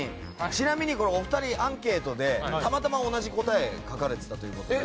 ちなみにお二人アンケートでたまたま同じ答えを書かれていたということで。